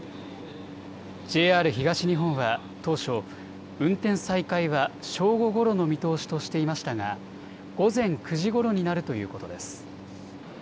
ＪＲ東日本は当初、運転再開は正午ごろの見通しとしていましたが午前９時ごろになるということです。